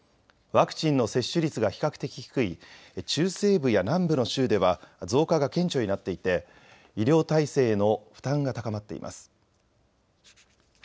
ワクチンの接種率が比較的低い中西部や南部の州では増加が顕著になっていて医療体制への負担が高まっています。